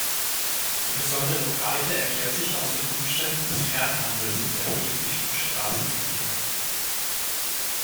Die besondere Breite erklärte sich aus den Umständen des Fernhandels mit erheblichem Straßenverkehr.